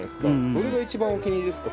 どれが一番お気に入りですか？